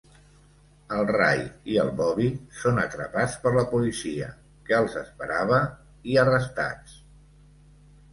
El Ray i el Bobby són atrapats per la policia que els esperava i arrestats.